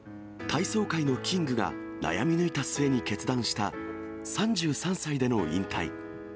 体操界のキングが悩み抜いた末に決断した３３歳での引退。